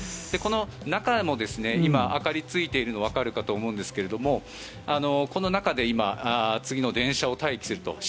この中も今、明かりがついているのがわかるかと思うんですけれどもこの中で今、次の電車を待機すると。